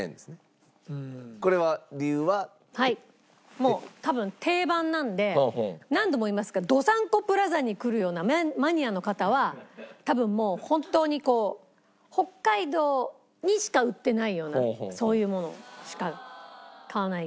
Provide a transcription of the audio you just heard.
もう多分定番なんで何度も言いますけどどさんこプラザに来るようなマニアの方は多分もう本当にこう北海道にしか売ってないようなそういうものしか買わない気がする。